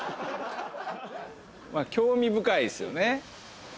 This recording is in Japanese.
興味深いですよね。